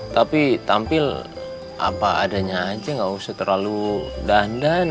tapi tampil apa adanya aja gak usah terlalu dandan